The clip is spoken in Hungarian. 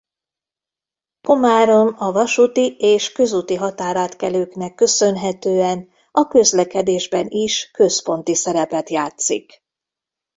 Komárom a vasúti- és közúti határátkelőknek köszönhetően a közlekedésben is központi szerepet játszik.